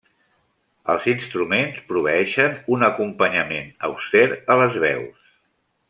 Els instruments proveeixen un acompanyament auster a les veus.